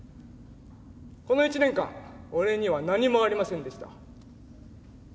この１年間俺には何もありませんでした。